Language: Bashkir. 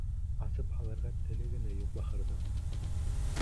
Асып һалырға теле генә юҡ бахырҙың.